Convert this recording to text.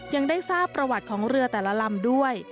ยังได้ทราบประวัติของเรือแต่ละลำด้วย